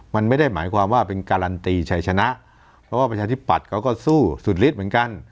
มันไม่ได้หมายความว่าเป็นการันตีชัยชนะเพราะว่าประชาธิปัตย์เขาก็สู้สุดฤทธิ์เหมือนกัน